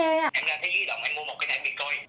em ra cái dự động anh mua một cái này để coi